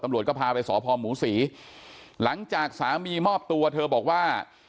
ก็พาไปสพหมูศรีหลังจากสามีมอบตัวเธอบอกว่า